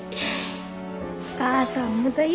お母さんもだよ。